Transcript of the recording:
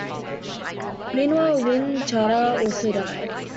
Meanwhile Win Chadha also died.